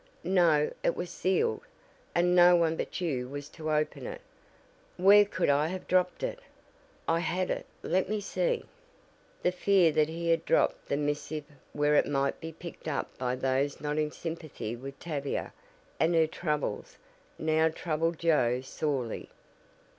"No, it was sealed, and no one but you was to open it. Where could I have dropped it? I had it let me see." The fear that he had dropped the missive where it might be picked up by those not in sympathy with Tavia, and her troubles, now troubled Joe sorely.